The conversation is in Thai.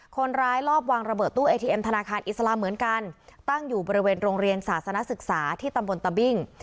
คนร้ายลอบวางระเบิดตู้เอทีเอ็มธนาคารอิสลามเหมือนกันตั้งอยู่บริเวณโรงเรียนศาสนศึกษาที่ตำบลตะบิ้ง